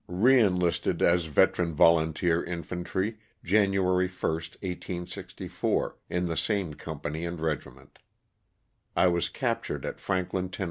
Re enlisted as Veteran Volunteer Infantry, January 1, 1864, in the same company and regiment. I was captured at Franklin, Tenn.